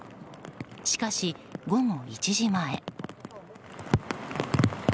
しかし、午後１時前。